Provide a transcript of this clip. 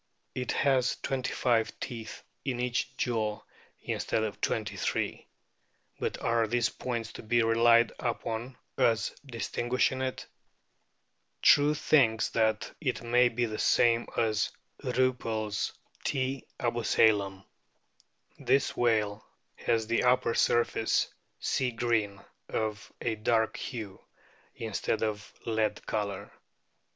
It has twenty five teeth in each jaw instead of twenty three ; but are these points to be relied upon as distinguishing it ? True thinks that it may be the same as Riippel's T, abusalam. This whale has the upper surface sea green, of a dark hue, instead of lead colour.